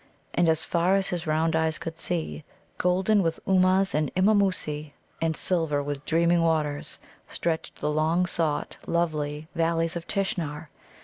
And as far as his round eyes could see, golden with Ummuz and Immamoosa, and silver with dreaming waters, stretched the long sought, lovely Valleys of Tishnar.